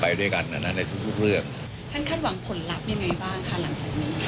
ท่านคาดหวังผลลัพธ์ยังไงบ้างค่ะหลังจากนี้